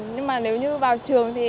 nhưng mà nếu như vào trường thì